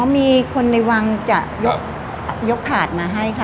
มีคนในวังจะยกถาดมาให้ค่ะ